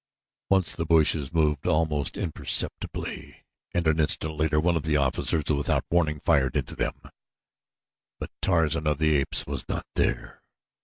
Once the bushes moved almost imperceptibly and an instant later one of the officers, without warning, fired into them; but Tarzan of the Apes was not there.